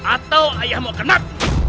atau ayah mau kenat